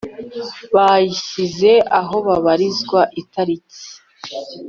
bayishinze aho babarizwa itariki